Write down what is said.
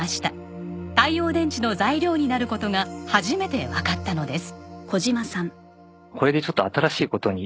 太陽電池の材料になる事が初めてわかったのです。